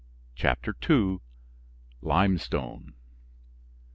CHAPTER II. LIMESTONE.